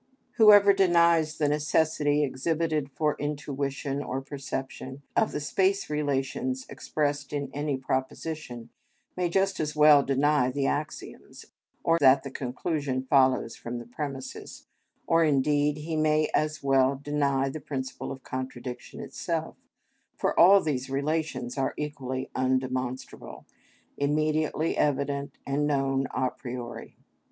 Whoever denies the necessity, exhibited for intuition or perception, of the space relations expressed in any proposition, may just as well deny the axioms, or that the conclusion follows from the premises, or, indeed, he may as well deny the principle of contradiction itself, for all these relations are equally undemonstrable, immediately evident and known a priori.